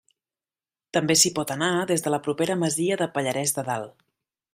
També s'hi pot anar des de la propera masia de Pallarès de Dalt.